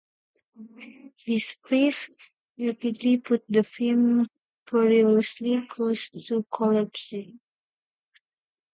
This freeze rapidly put the firm perilously close to collapse.